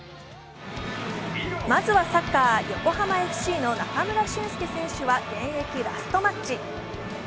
まずはサッカー、横浜ＦＣの中村俊輔選手は現役ラストマッチ。